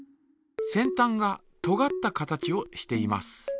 先たんがとがった形をしています。